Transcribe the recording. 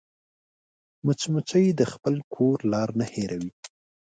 مچمچۍ د خپل کور لار نه هېروي